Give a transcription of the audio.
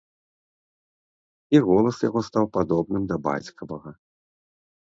І голас яго стаў падобным да бацькавага.